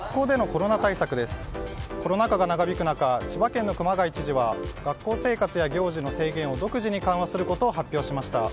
コロナ禍が長引く中千葉県の熊谷知事は学校生活や行事の制限を独自に緩和することを発表しました。